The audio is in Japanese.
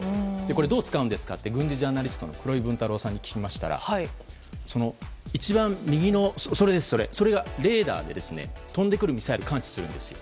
これ、どう使うんですかって軍事ジャーナリストの黒井文太郎さんに聞きましたら画面一番右のものがレーダーで感知するんですよ。